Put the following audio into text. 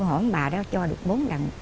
hỏi bà đó cho được bốn tràng